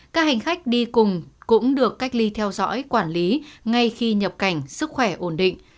các hành khách đi cùng cũng được cách ly theo dõi quản lý ngay khi nhập cảnh sức khỏe ổn định